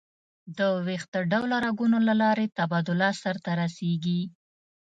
د ویښته ډوله رګونو له لارې تبادله سر ته رسېږي.